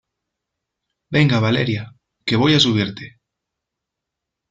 venga, Valeria , que voy a subirte.